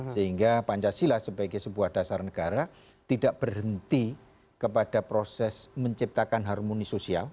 sehingga pancasila sebagai sebuah dasar negara tidak berhenti kepada proses menciptakan harmoni sosial